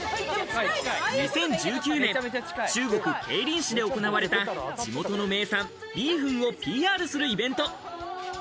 ２０１９年、中国・桂林市で行われた、地元の名産ビーフンをＰＲするイベント。